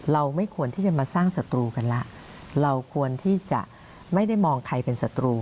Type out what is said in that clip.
เราไม่ควรที่จะมาสร้างศัตรูกันแล้วเราควรที่จะไม่ได้มองใครเป็นศัตรู